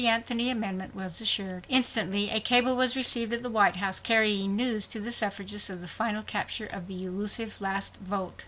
Anthony amendment was assured. Instantly a cable was received at the White House carrying news to the suffragists of the final capture of the elusive last vote.